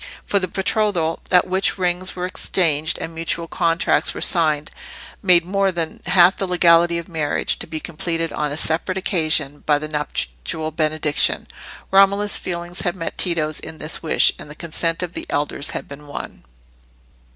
For the betrothal, at which rings were exchanged and mutual contracts were signed, made more than half the legality of marriage, to be completed on a separate occasion by the nuptial benediction. Romola's feeling had met Tito's in this wish, and the consent of the elders had been won.